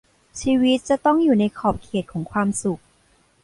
ชีวิตจะต้องอยู่ในขอบเขตของความสุข